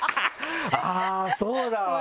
あぁそうだわ！